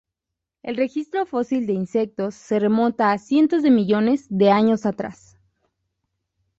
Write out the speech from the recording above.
El registro fósil de insectos se remonta a cientos de millones de años atrás.